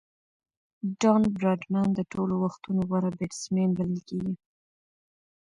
ډان براډمن د ټولو وختو غوره بيټسمېن بلل کیږي.